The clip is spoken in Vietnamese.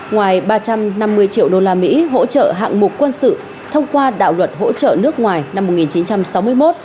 ngoài ba trăm năm mươi triệu đô la mỹ hỗ trợ hạng mục quân sự thông qua đạo luật hỗ trợ nước ngoài năm một nghìn chín trăm sáu mươi một